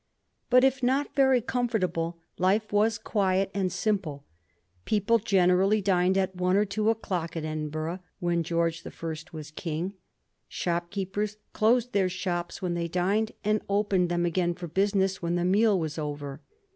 But if not very comfortable, life was quiet and simple. People generally dined at one or two o'clock in Edin burgh when George the First was king. Shopkeepers closed their shops when they dined and opened them again for business when the meal was over.